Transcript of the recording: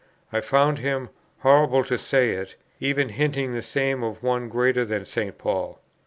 I found him horrible to say it even hinting the same of one greater than St. Paul.